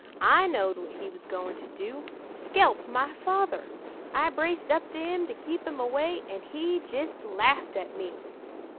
I knowed what he was goin' to do skelp my father! I braced up to 'im to keep 'im away, an' he jist laffed at me.